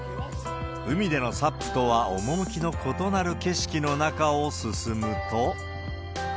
海でのサップとは趣の異なる景色の中を進むと。